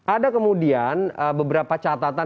ada kemudian beberapa catatan